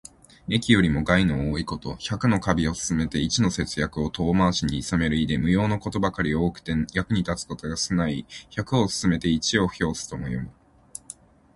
益よりも害の多いこと。百の華美を勧めて一の節約を遠回しにいさめる意で、無用のことばかり多くて、役に立つことが少ない意。「百を勧めて一を諷す」とも読む。